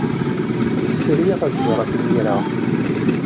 Sriɣ ad ẓreɣ imir-a.